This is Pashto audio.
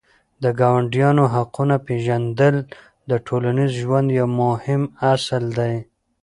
د ګاونډیانو حقونه پېژندل د ټولنیز ژوند یو مهم اصل دی.